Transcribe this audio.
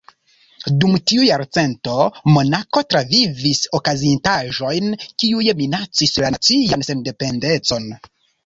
Dum tiu jarcento, Monako travivis okazintaĵojn kiuj minacis la nacian sendependecon.